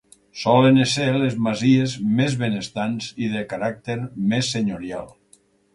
Solen ésser les masies més benestants i de caràcter més senyorial.